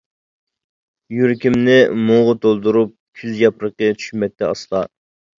يۈرىكىمنى مۇڭغا تولدۇرۇپ، كۈز ياپرىقى چۈشمەكتە ئاستا.